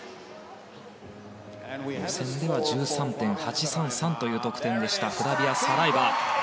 予選では１３．８３３という得点だったフラビア・サライバ。